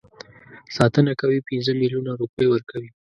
ساتنه کوي پنځه میلیونه روپۍ ورکوي.